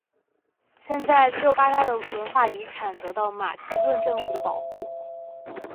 现在旧巴扎的文化遗产得到马其顿政府的保护。